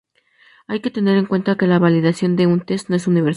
Hay que tener en cuenta que la validación de un test no es universal.